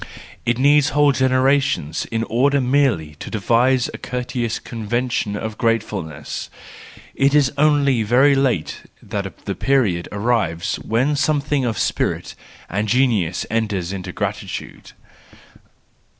It needs whole generations in order merely to devise a courteous convention of gratefulness; it is only very late that the period arrives when something of spirit and genius enters into gratitude.